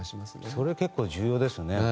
それは結構重要ですよね。